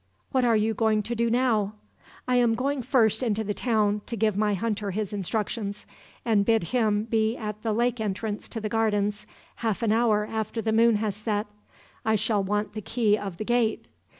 "'What are you going to do now?' "'I am going first into the town, to give my hunter his instructions, and bid him be at the lake entrance to the gardens, half an hour after the moon has set. I shall want the key of the gate.